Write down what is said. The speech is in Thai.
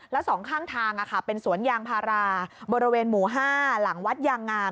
แล้วสองข้างทางเป็นสวนยางพาราบริเวณหมู่๕หลังวัดยางงาม